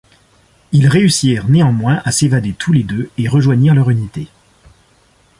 Ils réussirent néanmoins à s'évader tous les deux et rejoignirent leur unité.